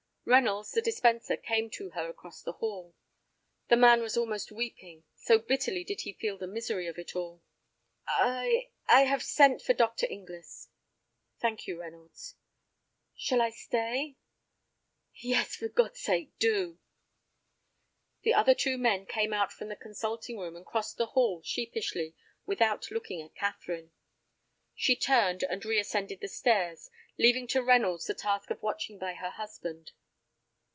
Reynolds, the dispenser, came to her across the hall. The man was almost weeping, so bitterly did he feel the misery of it all. "I—I have sent for Dr. Inglis." "Thank you, Reynolds." "Shall I stay?" "Yes, for God's sake, do!" The other two men came out from the consulting room, and crossed the hall sheepishly, without looking at Catherine. She turned, and reascended the stairs, leaving to Reynolds the task of watching by her husband.